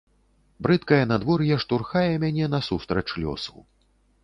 Брыдкае надвор'е штурхае мяне насустрач лёсу.